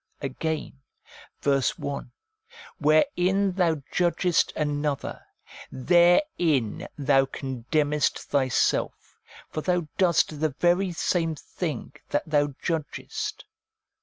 Again (verse 1), ' Wherein thou judges t another, therein thou condemnest thyself ; for thou doest the very same thing that thou judgest.'